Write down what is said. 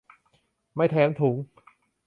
ไม่แถมถุง